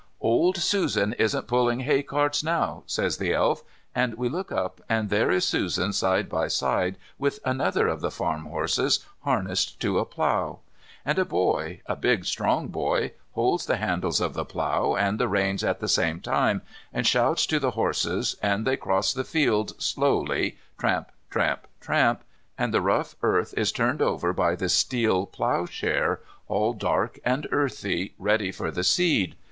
"Old Susan isn't pulling hay carts now," says the Elf, and we look up and there is Susan side by side with another of the farm horses harnessed to a plough. And a boy, a big strong boy, holds the handles of the plough and the reins at the same time, and shouts to the horses, and they cross the field slowly, tramp, tramp, tramp, and the rough earth is turned over by the steel ploughshare, all dark and earthy, ready for the seed.